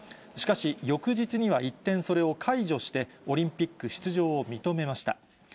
しかし、翌日には一転、それを解除して、オリンピック出場を認めました。